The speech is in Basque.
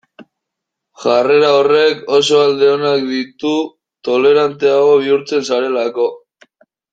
Jarrera horrek oso alde onak ditu toleranteago bihurtzen zarelako.